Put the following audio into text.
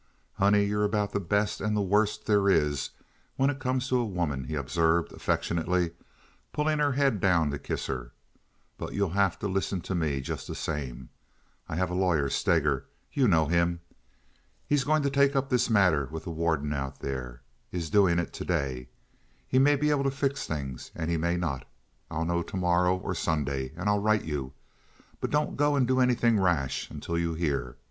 "Honey, you're about the best and the worst there is when it comes to a woman," he observed, affectionately, pulling her head down to kiss her, "but you'll have to listen to me just the same. I have a lawyer, Steger—you know him. He's going to take up this matter with the warden out there—is doing it today. He may be able to fix things, and he may not. I'll know to morrow or Sunday, and I'll write you. But don't go and do anything rash until you hear.